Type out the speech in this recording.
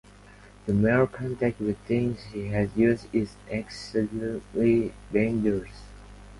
The mere contact with things she had used is exceedingly dangerous.